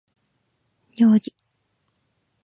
料理